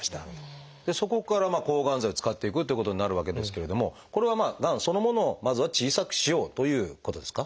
そこから抗がん剤を使っていくということになるわけですけれどもこれはがんそのものをまずは小さくしようということですか？